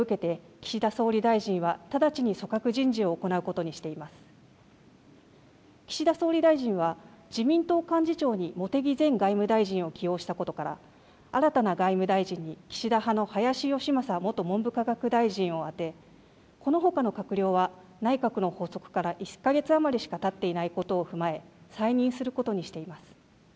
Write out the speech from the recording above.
岸田総理大臣は自民党幹事長に茂木前外務大臣を起用したことから新たな外務大臣に岸田派の林芳正元文部科学大臣を充てこのほかの閣僚は内閣の発足から１か月余りしかたっていないことを踏まえ再任することにしています。